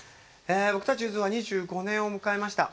僕たちゆずは２５年を迎えました。